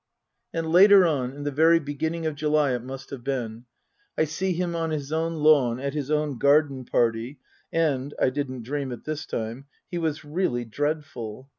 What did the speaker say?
And later on in the very beginning of July it must have been I see him on his own lawn at his own garden party, and I didn't dream it this time he was really dreadful.